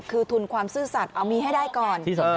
คือทุนความซื่อสัตว์เอามีให้ได้ก่อน